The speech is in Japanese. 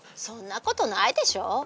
そんなことないでしょ？